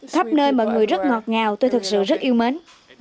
khắp nơi mọi người rất ngọt ngào tôi thật sự rất yêu mến